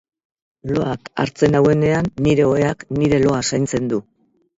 Loak hartzen nauenean nire oheak nire loa zaintzen du.